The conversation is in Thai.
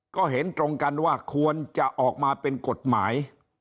ก็เห็นตรงกันว่าควรจะออกมาเป็นกฎหมาย